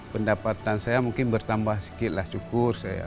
pendapatan saya mungkin bertambah sikitlah syukur saya